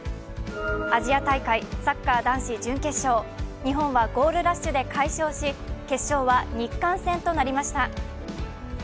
アジア大会サッカー男子準決勝、日本はゴールラッシュで快勝し決勝は日韓戦となりました。